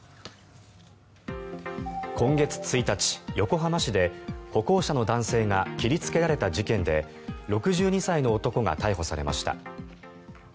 今月１日、横浜市で歩行者の男性が切りつけられた事件で６２歳の男が逮捕されました。